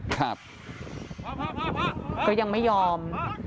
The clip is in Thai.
ก็ยังไม่ยอม